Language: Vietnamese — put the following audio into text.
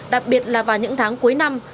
đặc biệt là vào những tháng cuối năm